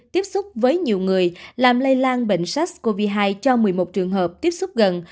tiếp xúc với nhiều người làm lây lan bệnh sars cov hai cho một mươi một trường hợp tiếp xúc gần